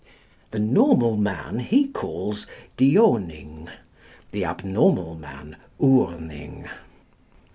The normal man he calls Dioning, the abnormal man Urning.